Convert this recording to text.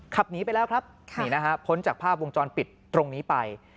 ขับหนีไปแล้วครับนี่นะฮะพ้นจากภาพวงจรปิดตรงนี้ไป